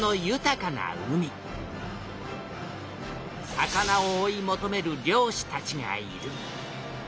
魚を追い求める漁師たちがいる。